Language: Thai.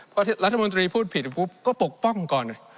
พอรัฐมนตรีพูดผิดปุ๊บก็ปกป้องก่อน